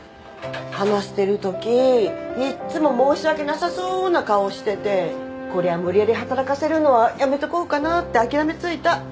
花捨てるときいっつも申し訳なさそうな顔しててこりゃ無理やり働かせるのはやめとこうかなって諦めついた。